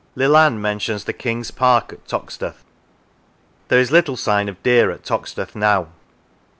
Leland mentions the King's park at Toxteth. There is little sign of deer at Toxteth now.